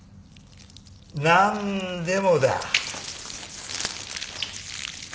何でもだ。